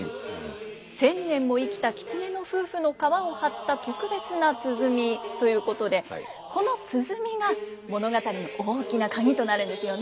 千年も生きた狐の夫婦の皮を張った特別な鼓ということでこの鼓が物語の大きな鍵となるんですよね。